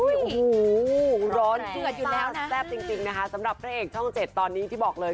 อุ้ยร้อนแสบจริงนะคะสำหรับพระเอกช่องเจ็ดตอนนี้ที่บอกเลย